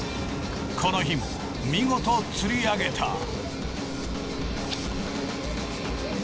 この日も見事釣り上げた。